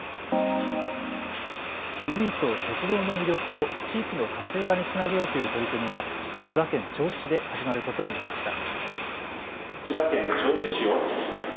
海と鉄道の魅力を地域の活性化につなげようという取り組みが千葉県銚子市で始まることになりました。